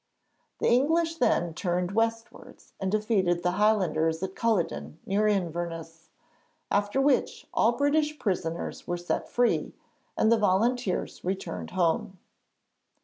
The English then turned westwards and defeated the Highlanders at Culloden, near Inverness, after which all British prisoners were set free, and the volunteers returned home.